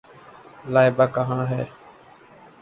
لائبہ کہاں ہے؟